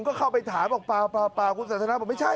ก็เข้าไปถามบอกเปล่าคุณสันทนาบอกไม่ใช่